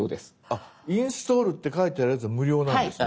あっ「インストール」って書いてあるやつは無料なんですね。